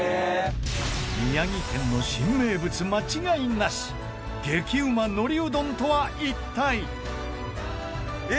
宮城県の新名物、間違いなし激うま、のりうどんとは一体？